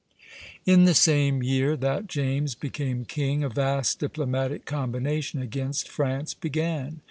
In the same year that James became king, a vast diplomatic combination against France began.